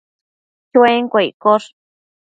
Chuenquio iccosh